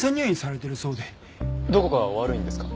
どこかお悪いんですか？